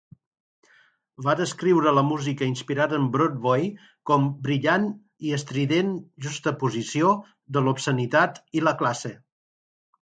Va descriure la música inspirada en Broadway com "brillant i estrident juxtaposició de l'obscenitat i la classe".